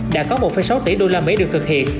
đã có một sáu tỷ usd được thực hiện